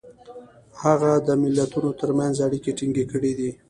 هغه د ملتونو ترمنځ اړیکې ټینګ کړي دي.